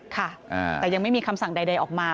ค่ะแต่ยังไม่มีคำสั่งใดออกมา